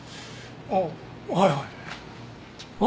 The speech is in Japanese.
ああはいはい。